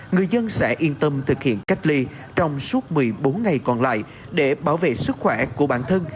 người dân sẽ yên tâm thực hiện cách ly trong suốt một mươi bốn ngày còn lại để bảo vệ sức khỏe của bản thân